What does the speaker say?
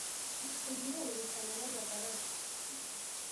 sindihererekanya n’abagaragu